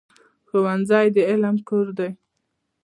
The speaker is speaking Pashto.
ښوونځی د علم کور دی.